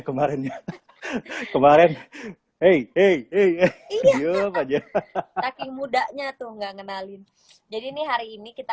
kemarinnya kemarin hey hey hey yo aja ha ha ha mudanya tuh nggak ngenalin jadi nih hari ini kita